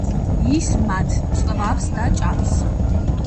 ის მათ წვავს და ჭამს.